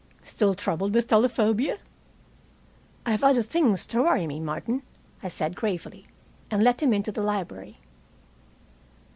"Still troubled with telephobia?" "I have other things to worry me, Martin," I said gravely, and let him into the library.